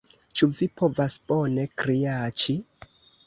Ĉu vi povas bone kriaĉi?